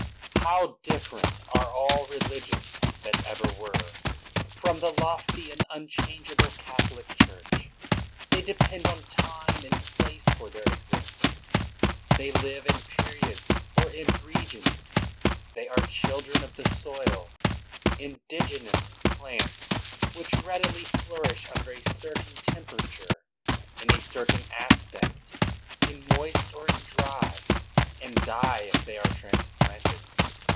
How different are all religions that ever were, from the lofty and unchangeable Catholic Church! They depend on time and place for their existence; thej' live in periods or in re gions. They are children of the soil, indigenous plants, which readily flourish under a certain temperature, in a certain aspect, in moist or in dry, and die if they are transplanted.